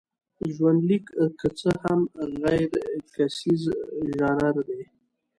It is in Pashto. ژوندلیک که څه هم غیرکیسیز ژانر دی.